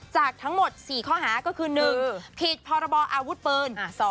จากทั้งหมด๔ข้อหาก็คือ๑ผิดพรบออาวุธปืน